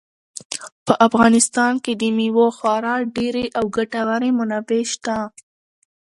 په افغانستان کې د مېوو خورا ډېرې او ګټورې منابع شته.